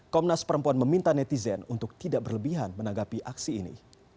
komnas perempuan meminta netizen untuk tidak berlebihan menanggapi aksi ini